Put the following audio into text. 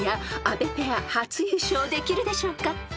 ［阿部ペア初優勝できるでしょうか？］